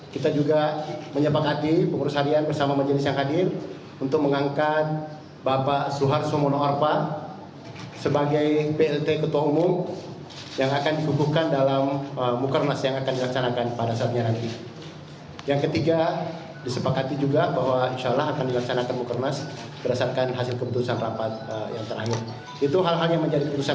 kepada pemerintah saya ingin mengucapkan terima kasih kepada pemerintah dan pemerintah pemerintah yang telah menonton